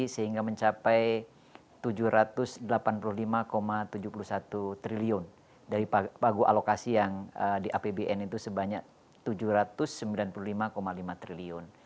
sehingga mencapai rp tujuh ratus delapan puluh lima tujuh puluh satu triliun dari pagu alokasi yang di apbn itu sebanyak rp tujuh ratus sembilan puluh lima lima triliun